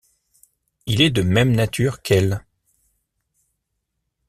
Il est de même nature qu’elle.